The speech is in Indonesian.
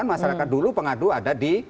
masyarakat dulu pengadu ada di